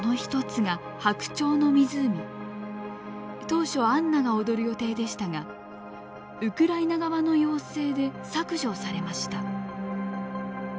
当初アンナが踊る予定でしたがウクライナ側の要請で削除されました。